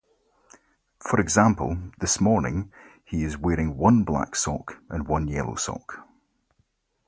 For example, this morning, he is wearing one black sock and one yellow sock.